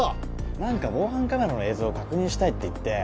何か防犯カメラの映像を確認したいって言って